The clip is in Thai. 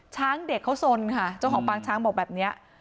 ช้างเด็กเขาสนค่ะเจ้าของปางช้างบอกแบบนี้